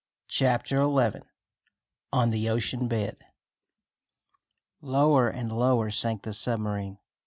Chapter Eleven On the Ocean Bed Lower and lower sank the submarine.